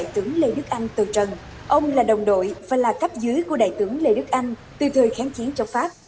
từ trần ông là đồng đội và là cấp dưới của đại tướng lê đức anh từ thời kháng chiến châu pháp